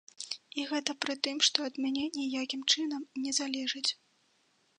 І гэта пры тым, што ад мяне ніякім чынам не залежыць!